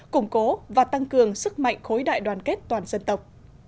củng cố và tăng cường sức mạnh khối đại đoàn kết toàn dân tộc